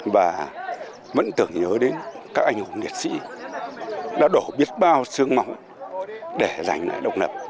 và vẫn tưởng nhớ đến các anh hùng liệt sĩ đã đổ biết bao sướng máu để giành lại độc lập